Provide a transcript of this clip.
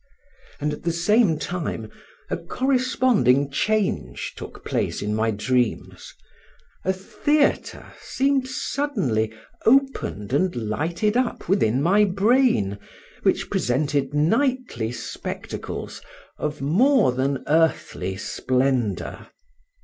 And at the same time a corresponding change took place in my dreams; a theatre seemed suddenly opened and lighted up within my brain, which presented nightly spectacles of more than earthly splendour.